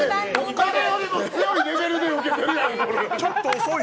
誰よりも強いレベルで受けてるやん、俺！